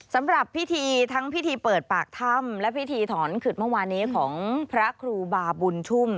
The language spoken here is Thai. สำหรับพิธีทั้งพิธีเปิดปากถ้ำและพิธีถอนขึดเมื่อวานนี้ของพระครูบาบุญชุ่ม